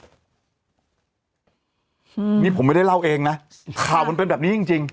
อืมนี่ผมไม่ได้เล่าเองนะข่าวมันเป็นแบบนี้จริงจริง